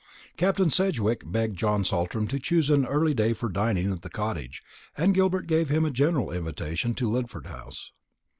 Captain Sedgewick begged John Saltram to choose an early day for dining at the cottage, and Gilbert gave him a general invitation to Lidford House.